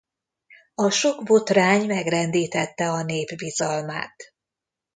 A sok botrány megrendítette a nép bizalmát.